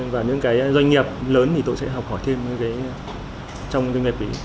và những cái doanh nghiệp lớn thì tôi sẽ học hỏi thêm trong cái nghề phí